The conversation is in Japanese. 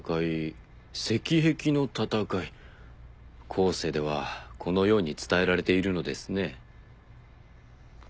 後世ではこのように伝えられているのですね。